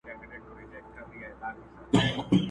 خان به د لویو دښمنیو فیصلې کولې٫